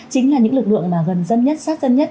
chính là những lực lượng mà gần dân nhất sát dân nhất